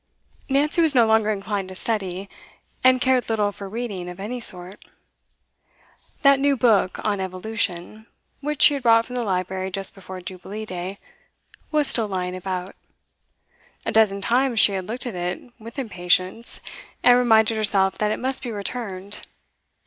Nancy was no longer inclined to study, and cared little for reading of any sort. That new book on Evolution, which she had brought from the library just before Jubilee Day, was still lying about; a dozen times she had looked at it with impatience, and reminded herself that it must be returned.